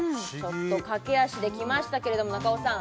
駆け足できましたけれども中尾さん